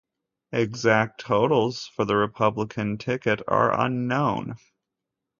Exact totals for the Republican ticket are unknown.